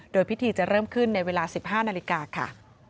โดยพิธีจะเริ่มขึ้นในเวลา๑๕นาฬิกาค่ะ